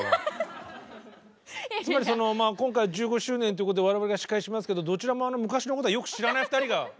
つまりその今回１５周年ということで我々が司会しますけどどちらも昔のことはよく知らない２人が。